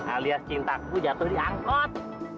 alias cintaku jatuh di angkot